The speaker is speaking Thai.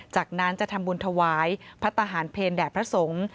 จากนั้นจะทำบุญถวายพระทหารเพลแด่พระสงฆ์